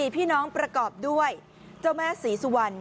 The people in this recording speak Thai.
พี่น้องประกอบด้วยเจ้าแม่ศรีสุวรรณ